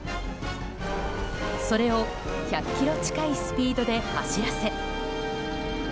それを１００キロ近いスピードで走らせ。